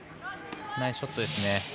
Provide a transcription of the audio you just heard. ナイスショットですね。